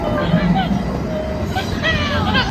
زرغون رنګ سترګو ته ښه دی.